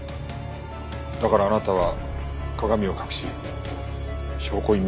だからあなたは鏡を隠し証拠隠滅したんですね。